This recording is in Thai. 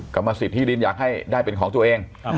กรรมสิทธิดินอยากให้ได้เป็นของตัวเอง